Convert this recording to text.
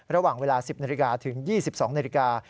ระหว่างเวลา๑๐นาฬิกาถึง๒๒นาฬิกา